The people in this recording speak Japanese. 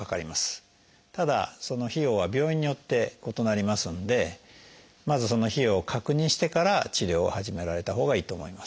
ただその費用は病院によって異なりますのでまずその費用を確認してから治療を始められたほうがいいと思います。